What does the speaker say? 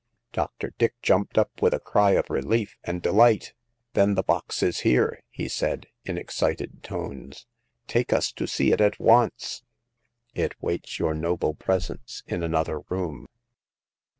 Dr. Dick jumped up with a cry of relief and The Third Customer. 105 delight. " Then the box is here !'' he said, in excited tones. " Take us to see it at once !"" It waits your noble presence in another room.''